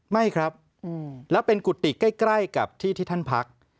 ไม่ครับแล้วเป็นกุฏิใกล้กับที่ที่ท่านพัก